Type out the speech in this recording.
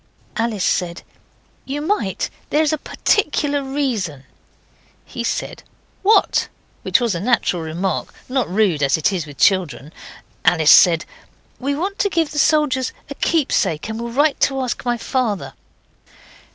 Alice said, 'You might; there's a particular reason.' He said, 'What?' which was a natural remark; not rude, as it is with children. Alice said 'We want to give the soldiers a keepsake and will write to ask my father.